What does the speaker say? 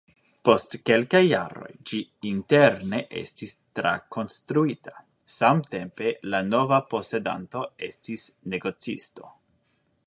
Post kelkaj jaroj ĝi interne estis trakonstruita, samtempe la nova posedanto estis negocisto.